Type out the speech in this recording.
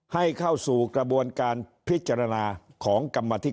ให้เข้าสู่กระบวนการพิจารณาของกรรมธิการ